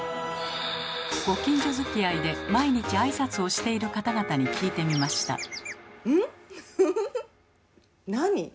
ご近所づきあいで毎日挨拶をしている方々に聞いてみました。